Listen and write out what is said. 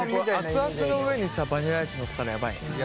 熱々の上にさバニラアイスのせたらやばいね。